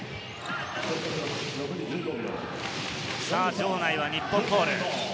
場内は日本コール。